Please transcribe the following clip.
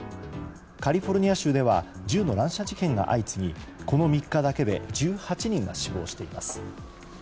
カリフォルニア州では銃の乱射事件が相次ぎこの３日だけで１８人が死亡しています。